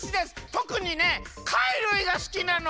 とくにねかいるいがすきなの。